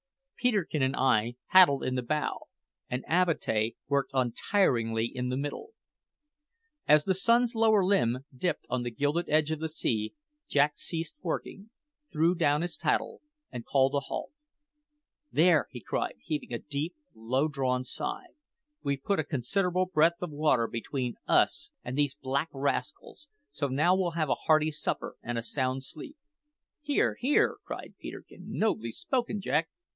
Peterkin and I paddled in the bow, and Avatea worked untiringly in the middle. As the sun's lower limb dipped on the gilded edge of the sea Jack ceased working, threw down his paddle, and called a halt. "There!" he cried, heaving a deep, long drawn sigh; "we've put a considerable breadth of water between us and these black rascals, so now we'll have a hearty supper and a sound sleep." "Hear, hear!" cried Peterkin. "Nobly spoken, Jack!